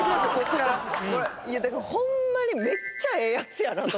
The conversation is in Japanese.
だからホンマにめっちゃええヤツやなあと。